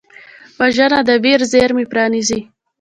وژنه د ویر زېرمې پرانیزي